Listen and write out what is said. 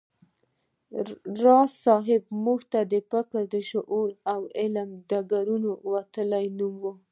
راز صيب زموږ د فکر، شعور او علم د ډګرونو یو وتلی نوم و